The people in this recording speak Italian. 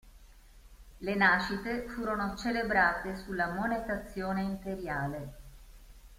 Le nascite furono celebrate sulla monetazione imperiale.